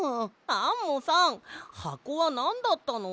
アンモさんはこはなんだったの？